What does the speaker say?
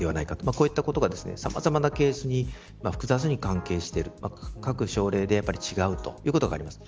こういったことがさまざまなケースに複雑に関係している各症例で違いがあります。